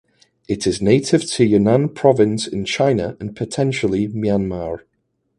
It is native to Yunnan Province in China and potentially Myanmar.